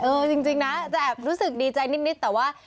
จริงนะจะแอบรู้สึกดีใจนิดแต่ว่า